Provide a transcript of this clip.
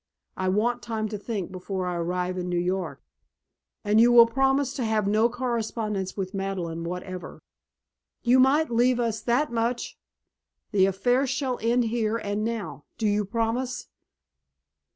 I want time to think before I arrive in New York." "And you will promise to have no correspondence with Madeleine whatever?" "You might leave us that much!" "The affair shall end here and now. Do you promise?"